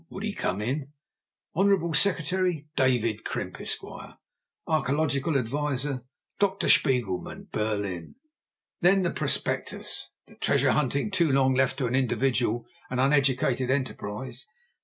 (Would he come in?) Hon. Secretary.—DAVID CRIMP, Esq. Archæological Adviser.—Dr. SPIEGELMANN, Berlin. Then the prospectus! Treasure hunting too long left to individual and uneducated enterprise.